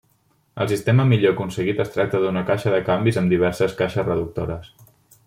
El sistema millor aconseguit tracta d'una caixa de canvis amb diverses caixes reductores.